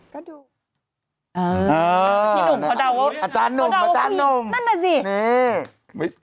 พี่หนุ่มเขาเดาว่าผู้หญิงนั่นแน่สินี่